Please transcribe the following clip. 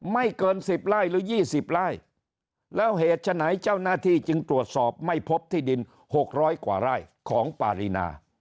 ไม่เกิน๑๐ไร่หรือ๒๐ไร่แล้วเหตุฉะไหนเจ้าหน้าที่จึงตรวจสอบไม่พบที่ดิน๖๐๐กว่าไร่ของปารีนา